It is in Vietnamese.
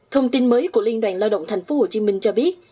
thông tin mới của liên đoàn lao động tp hcm cho biết